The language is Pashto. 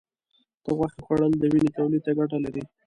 د غوښې خوړل د وینې تولید ته ګټه لري.